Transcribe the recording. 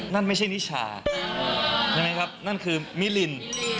นั่นไม่ใช่นิจชานั้นคือมีริน